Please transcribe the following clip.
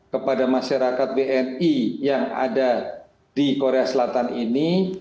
kepada masyarakat wni yang ada di korea selatan ini